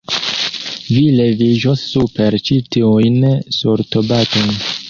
Vi leviĝos super ĉi tiujn sortobatojn.